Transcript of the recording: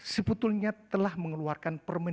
seputulnya telah mengeluarkan permohonan